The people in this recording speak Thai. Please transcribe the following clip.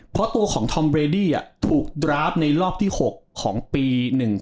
เพราะตัวของธอมเรดี้ถูกดราฟในรอบที่๖ของปี๑๒